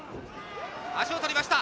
足を取りました！